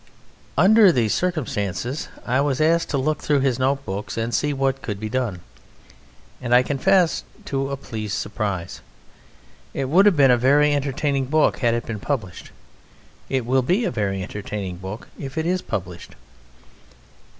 Under these circumstances I was asked to look through his notebook and see what could be done; and I confess to a pleased surprise.... It would have been a very entertaining book had it been published. It will be a very entertaining book if it is published.